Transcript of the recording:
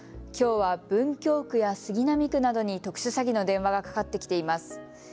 きょうは文京区や杉並区などに特殊詐欺の電話がかかってきています。